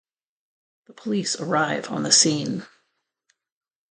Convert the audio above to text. The police arrive on the scene.